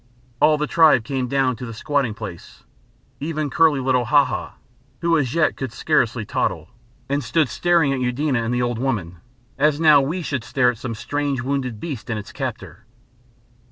All the tribe came down to the squatting place, even curly little Haha, who as yet could scarcely toddle, and stood staring at Eudena and the old woman, as now we should stare at some strange wounded beast and its captor.